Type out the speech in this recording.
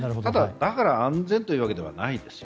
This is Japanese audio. だから安全というわけではないです。